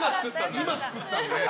今作ったんで。